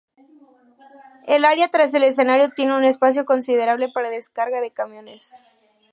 El área tras el escenario tiene un espacio considerable para descarga de camiones.